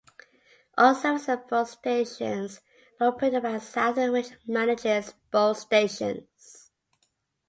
All services at both stations are operated by Southern, which manages both stations.